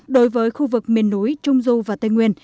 đối với khu vực miền núi trung du và tây nguyên